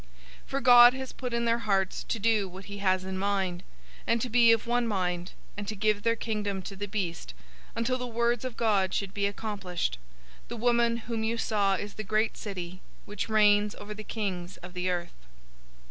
017:017 For God has put in their hearts to do what he has in mind, and to be of one mind, and to give their kingdom to the beast, until the words of God should be accomplished. 017:018 The woman whom you saw is the great city, which reigns over the kings of the earth."